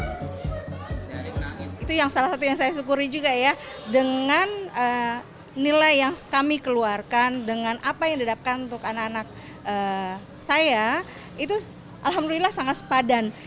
itu yang salah satu yang saya syukuri juga ya dengan nilai yang kami keluarkan dengan apa yang didapatkan untuk anak anak saya itu alhamdulillah sangat sepadan